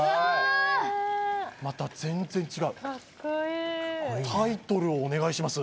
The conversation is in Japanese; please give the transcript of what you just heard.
また全然違うカッコイイタイトルをお願いします